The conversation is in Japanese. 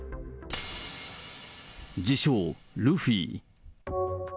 自称、ルフィ。